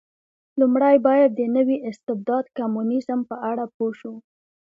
لومړی باید د نوي استبداد کمونېزم په اړه پوه شو.